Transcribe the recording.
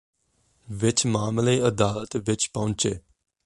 ਵਿਚ ਮਾਮਲੇ ਅਦਾਲਤ ਵਿਚ ਪਹੁੰਚੇ